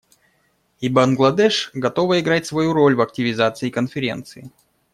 И Бангладеш готово играть свою роль в активизации Конференции.